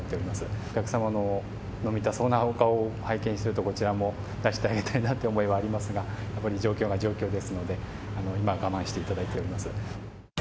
お客様の飲みたそうなお顔を拝見すると、こちらも出してあげたいなっていう思いはありますが、やっぱり状況が状況ですので、今は我慢していただいております。